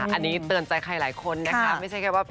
อันนี้เตือนใจใครหลายคนนะคะ